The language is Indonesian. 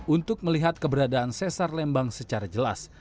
untuk melihat keberadaan sesar lembang secara jelas